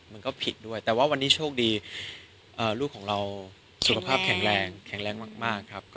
มันก็ผิดด้วยแต่ว่าวันนี้โชคดีลูกของเราสุขภาพแข็งแรงแข็งแรงมากครับ